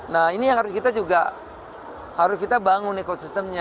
nah ini yang harus kita juga harus kita bangun ekosistemnya